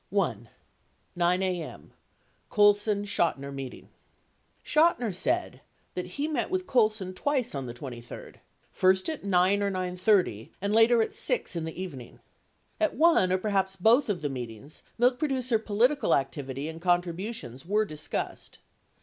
1. 9 A.M. OOLSON CHOTINER MEETING Chotiner said that he met with Colson twice on the 23d, first at 9 or 9 :30 and later at 6 in the evening. 77 At one or perhaps both of the meet ings, milk producer political activity and contributions were discussed.